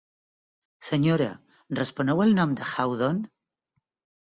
Senyora, responeu al nom de Hawdon?